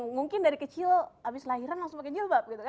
mungkin dari kecil habis lahiran langsung pakai jilbab gitu kan